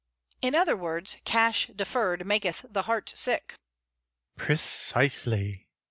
'" "In other words, cash deferred maketh the heart sick." "Precisely.